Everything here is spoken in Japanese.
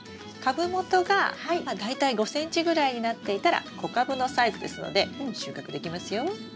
株元が大体５ｃｍぐらいになっていたら小カブのサイズですので収穫できますよ。